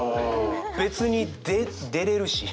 別にで出れるし。